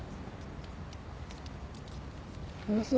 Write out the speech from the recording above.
おいしい。